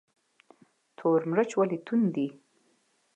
تور مرچ ولې توند دي؟